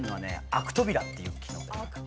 アクトビラっていう機能でね。